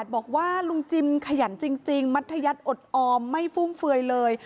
บอกว่าลุงจิมขยันจริงมัธยัติอดออมไม่ฟุ่มเฟือยเลย